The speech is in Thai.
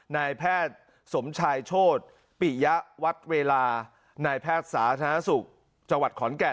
นายแพทย์สมชายโชฎปิยะวัดเวลา